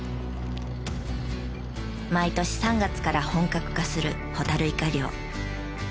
毎年３月から本格化するホタルイカ漁。